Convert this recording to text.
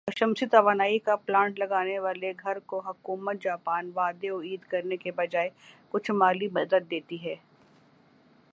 اور شمسی توانائی کا پلانٹ لگا نے والے گھر کو حکومت جاپان وعدے وعید کرنے کے بجائے کچھ مالی مدد دیتی ہے